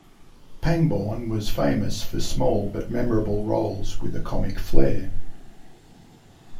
Pangborn was famous for small, but memorable roles, with a comic flair.